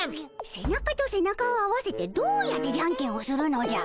背中と背中を合わせてどうやってじゃんけんをするのじゃ。